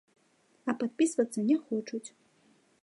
А падпісвацца не хочуць.